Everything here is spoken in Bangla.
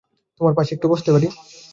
তোমার পাশে একটু বসতে পারি?